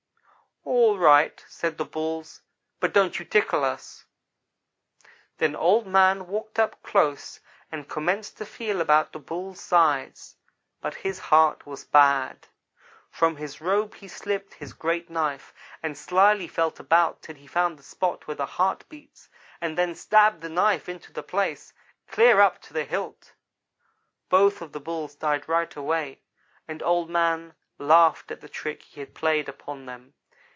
"'All right,' said the Bulls, 'but don't you tickle us.' Then Old man walked up close and commenced to feel about the Bulls' sides; but his heart was bad. From his robe he slipped his great knife, and slyly felt about till he found the spot where the heart beats, and then stabbed the knife into the place, clear up to the hilt. "Both of the Bulls died right away, and Old man laughed at the trick he had played upon them.